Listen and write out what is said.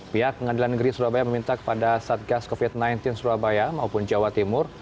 pihak pengadilan negeri surabaya meminta kepada satgas covid sembilan belas surabaya maupun jawa timur